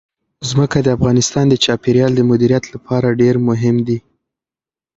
ځمکه د افغانستان د چاپیریال د مدیریت لپاره ډېر مهم دي.